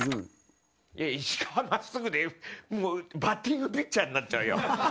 いや、石川、真っすぐでもう、バッティングピッチャーになっちゃうよ。